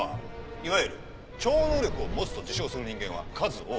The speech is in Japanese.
いわゆる超能力を持つと自称する人間は数多く存在する。